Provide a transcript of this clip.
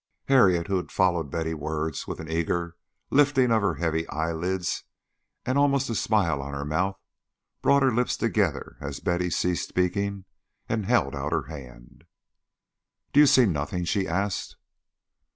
Harriet, who had followed Betty's words with an eager lifting of her heavy eyelids and almost a smile on her mouth, brought her lips together as Betty ceased speaking, and held out her hand. "Do you see nothing?" she asked.